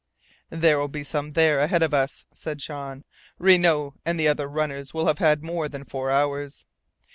"There will be some there ahead of us," said Jean. "Renault and the other runners will have had more than four hours.